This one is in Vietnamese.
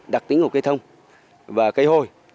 đặc tính của cây thông và cây hồi